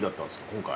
今回。